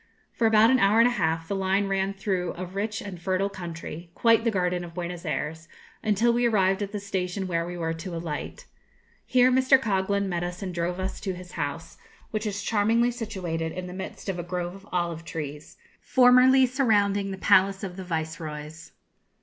For about an hour and a half the line ran through a rich and fertile country, quite the garden of Buenos Ayres, until we arrived at the station where we were to alight. Here Mr. Coghlan met us and drove us to his house, which is charmingly situated in the midst of a grove of olive trees, formerly surrounding the palace of the viceroys.